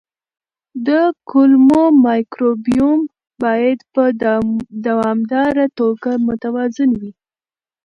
د کولمو مایکروبیوم باید په دوامداره توګه متوازن وي.